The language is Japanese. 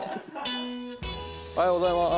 おはようございます。